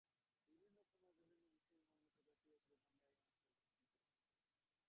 বিভিন্ন সময়ে বিভিন্ন মুসলমান উপজাতীয় প্রধানরা এ অঞ্চল শাসন করে আসছিল।